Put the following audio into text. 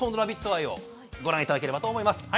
愛をご覧いただければと思います。